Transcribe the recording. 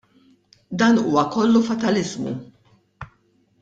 Dan huwa kollu fataliżmu!